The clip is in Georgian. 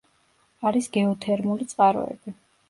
არის გეოთერმული წყაროები.